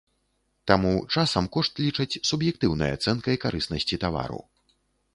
Таму часам кошт лічаць суб'ектыўнай ацэнкай карыснасці тавару.